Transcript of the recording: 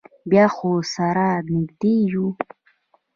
بیا خو سره نږدې یو.